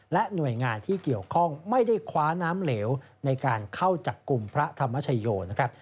และหน่วยงานที่เกี่ยวข้องไม่ได้คว้าน้ำเหลวในการเข้าจับกลุ่มพระธรรมชโยนะครับ